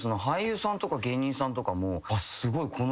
俳優さんとか芸人さんとかもあっすごい。